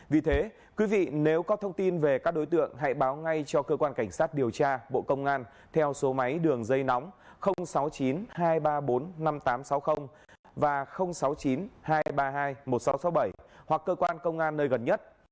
vì thế quý vị nếu có thông tin về các đối tượng hãy báo ngay cho cơ quan cảnh sát điều tra bộ công an theo số máy đường dây nóng sáu mươi chín hai trăm ba mươi bốn năm nghìn tám trăm sáu mươi và sáu mươi chín hai trăm ba mươi hai một nghìn sáu trăm sáu mươi bảy hoặc cơ quan công an nơi gần nhất